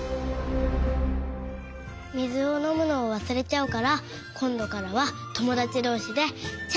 みずをのむのをわすれちゃうからこんどからはともだちどうしでチェックするね！